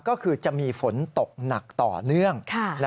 ก็คือจะมีฝนตกหนักต่อเนื่อง